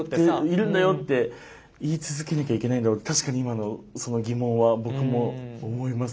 いるんだよって言い続けなきゃいけないんだろうって確かに今の疑問は僕も思います